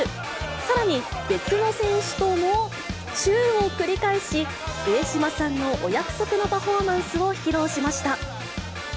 さらに、別の選手ともチューを繰り返し、上島さんのお約束のパフォーマンスを披露しました。